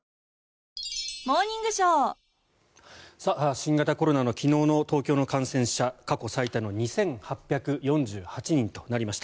新型コロナの昨日の東京の感染者は過去最多の２８４８人となりました。